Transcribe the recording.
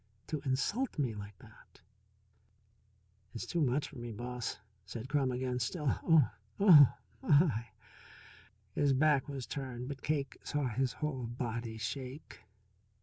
To insult me like that " "It's too much for me, Boss," said Crum again. "Still Oh oh, my!" His back was turned, but Cake saw his whole body shake.